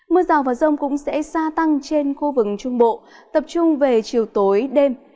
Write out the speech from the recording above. mưa rào và rông cũng sẽ gia tăng trên khu vực trung bộ tập trung về chiều tối đêm